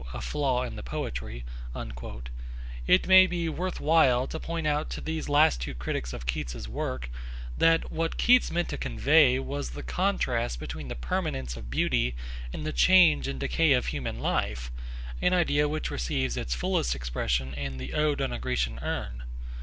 . a flaw in the poetry,' it may be worth while to point out to these two last critics of Keats's work that what Keats meant to convey was the contrast between the permanence of beauty and the change and decay of human life, an idea which receives its fullest expression in the Ode on a Grecian Urn.